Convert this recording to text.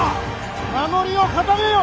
守りを固めよ！